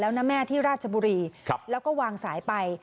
นะแม่ที่ราชบุรีแล้วก็วางสายไป